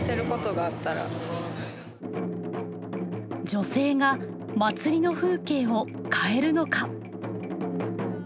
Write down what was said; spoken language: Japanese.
女性が祭りの風景を変えるのか。